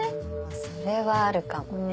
それはあるかもね。